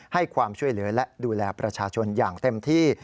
ให้ความช่วยเหลือและดูแลประชาชนอย่างเต็มที่